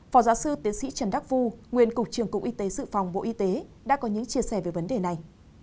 phó giáo sư tiến sĩ trần đắc vu nguyên cục trường cục y tế dự phòng bộ y tế đã có những chia sẻ về vấn đề này